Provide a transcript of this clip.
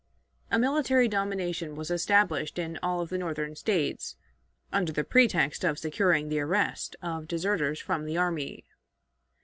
A military domination was established in all of the Northern States, under the pretext of securing the arrest of deserters from the army.